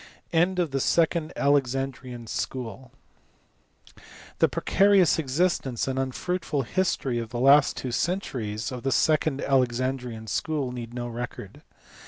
End of the second Alexandrian School. The precarious existence and unfruitful history of the last two centuries of the second Alexandrian School need no record.